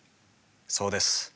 そうです。